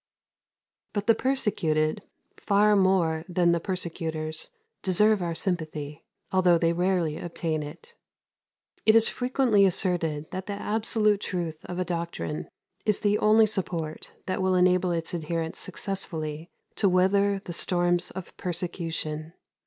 82. But the persecuted, far more than the persecutors, deserve our sympathy, although they rarely obtain it. It is frequently asserted that the absolute truth of a doctrine is the only support that will enable its adherents successfully to weather the storms of persecution.